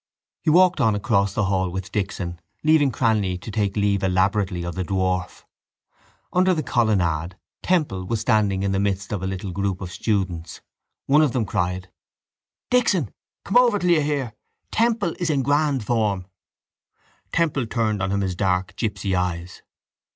He walked on across the hall with Dixon, leaving Cranly to take leave elaborately of the dwarf. Under the colonnade Temple was standing in the midst of a little group of students. One of them cried: —Dixon, come over till you hear. Temple is in grand form. Temple turned on him his dark gipsy eyes.